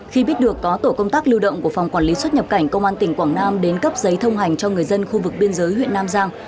khi biết được có tổ công tác lưu động của phòng quản lý xuất nhập cảnh công an tỉnh quảng nam đến cấp giấy thông hành cho người dân khu vực biên giới huyện nam giang